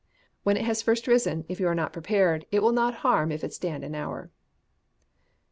When it has first risen, if you are not prepared, it will not harm if it stand an hour. 1025.